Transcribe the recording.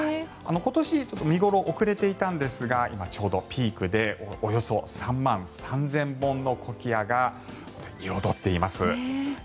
今年は見頃が遅れていたんですが今、ちょうどピークでおよそ３万３０００本のコキアが彩っています。